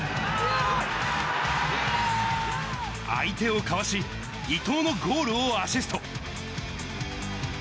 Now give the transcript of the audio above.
相手をかわし、いとうのゴールをアシスト。